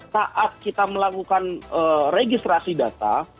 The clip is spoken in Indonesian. saat kita melakukan registrasi data